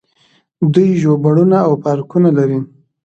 دوی ژوبڼونه او پارکونه لري.